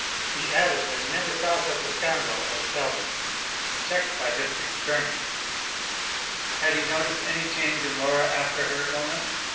He added that he never saw such a scoundrel as Selby. (Checked by District attorney.) Had he noticed any change in Laura after her illness?